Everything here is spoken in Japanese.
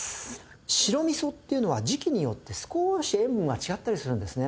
白味噌っていうのは時期によって少し塩分が違ったりするんですね。